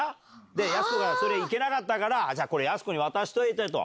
やす子がそれ、いけなかったから、じゃあ、これやす子に渡しといてと。